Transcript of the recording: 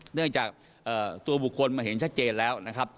เนื่องจากตัวบุคคลมันเห็นชัดเจนแล้ว